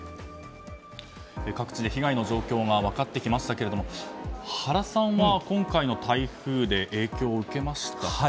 各地で被害の状況が分かってきましたが原さんは今回の台風で影響を受けましたか？